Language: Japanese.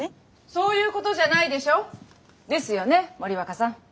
そういうことじゃないでしょ。ですよね森若さん。